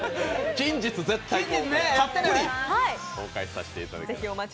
近日、絶対たっぷり公開させていただきます。